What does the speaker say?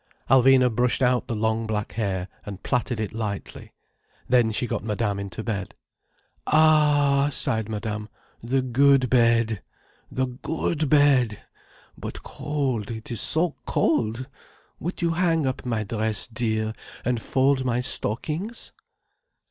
Alvina brushed out the long black hair, and plaited it lightly. Then she got Madame into bed. "Ah," sighed Madame, "the good bed! The good bed! But cold—it is so cold. Would you hang up my dress, dear, and fold my stockings?"